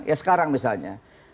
ya sekarang misalnya